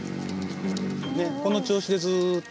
この調子でずっと。